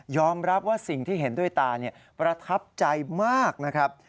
รับว่าสิ่งที่เห็นด้วยตาประทับใจมากนะครับ